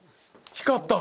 光った！